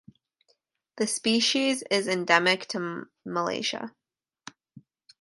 The species is endemic to Malaysia.